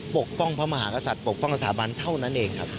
ปกป้องพระมหากษัตริย์ปกป้องสถาบันเท่านั้นเองครับ